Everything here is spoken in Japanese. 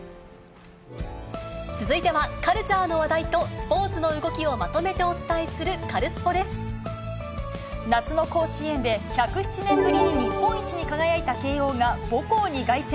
続いては、カルチャーの話題とスポーツの動きをまとめてお伝えするカルスポ夏の甲子園で、１０７年ぶりに日本一に輝いた慶応が、母校に凱旋。